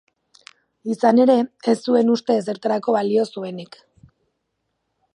Izan ere, ez zuen uste ezertarako balioko zuenik.